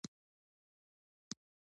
هو، پنځه دقیقې لاره ده